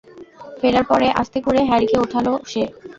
ফেরার পরে আস্তে করে হ্যারিকে ওঠালো সে।